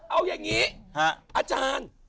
เอาอย่างนี้อาจารย์